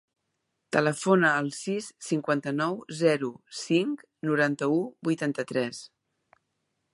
Telefona al sis, cinquanta-nou, zero, cinc, noranta-u, vuitanta-tres.